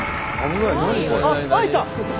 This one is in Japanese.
開いた！